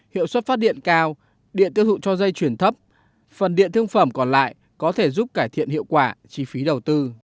hiệu suất phát điện cao điện tiêu thụ cho dây chuyển thấp phần điện thương phẩm còn lại có thể giúp cải thiện hiệu quả chi phí đầu tư